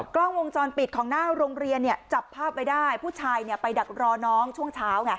กล้องวงจรปิดของหน้าโรงเรียนเนี่ยจับภาพไว้ได้ผู้ชายไปดักรอน้องช่วงเช้าไง